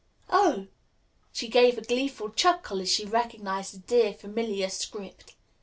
"Oh!" She gave a gleeful chuckle as she recognized a dear, familiar script.